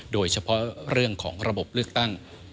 โดยเฉพาะเรื่องของระบบเลือกตั้ง